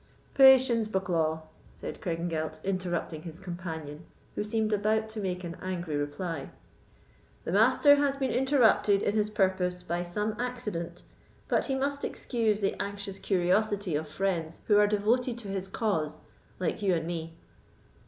"Patience, Bucklaw," said Craigengelt, interrupting his companion, who seemed about to make an angry reply. "The Master has been interrupted in his purpose by some accident; but he must excuse the anxious curiosity of friends who are devoted to his cause like you and me."